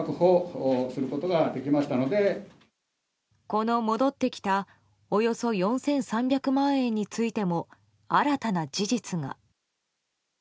この戻ってきたおよそ４３００万円についても新たな事実が。